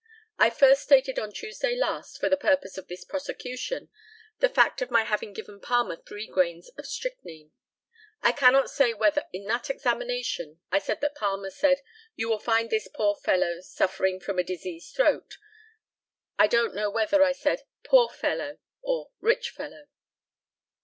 I first stated on Tuesday last, for the purposes of this prosecution, the fact of my having given Palmer three grains of strychnine. I cannot say whether in that examination I said that Palmer said, "You will find this 'poor' fellow suffering from a diseased throat." I don't know whether I said "poor fellow" or "rich fellow."